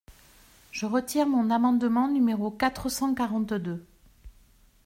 Je retirer mon amendement numéro quatre cent quarante-deux.